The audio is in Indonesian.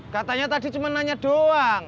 katanya tadi cuma nanya doang